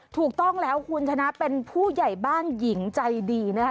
ถูกต้องแล้วคุณชนะเป็นผู้ใหญ่บ้านหญิงใจดีนะคะ